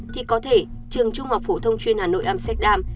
thì có thể trường trung học phổ thông chuyên hà nội amsterdam